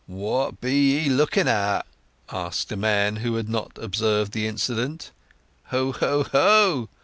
"What be ye looking at?" asked a man who had not observed the incident. "Ho ho ho!"